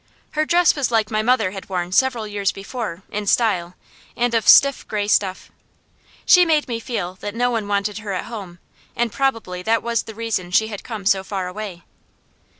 Her dress was like my mother had worn several years before, in style, and of stiff gray stuff. She made me feel that no one wanted her at home, and probably that was the reason she had come so far away.